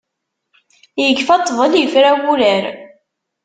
Ikfa ṭṭbel ifra wurar.